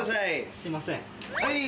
すいません。